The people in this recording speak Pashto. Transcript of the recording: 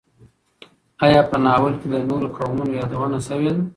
ایا په ناول کې د نورو قومونو یادونه شوې ده؟